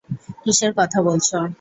কিসের কথা বলছো?